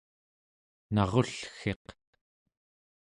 narullgiq